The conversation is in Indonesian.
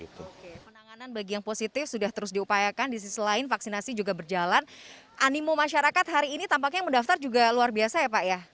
oke penanganan bagi yang positif sudah terus diupayakan di sisi lain vaksinasi juga berjalan animo masyarakat hari ini tampaknya yang mendaftar juga luar biasa ya pak ya